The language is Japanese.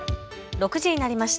６時になりました。